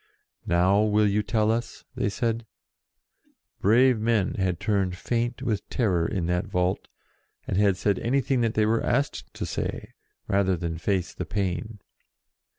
"Now will you tell us?" they said. Brave men had turned faint with terror in that vault, and had said anything that they were asked to say, rather than face the pain.